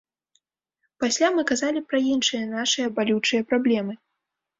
Пасля мы казалі пра іншыя нашыя балючыя праблемы.